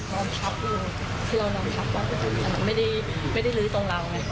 นอนพับที่เรานอนพับไม่ได้ลื้อตรงเราเลย